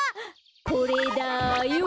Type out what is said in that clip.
これだよ！